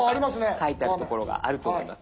書いてある所があると思います。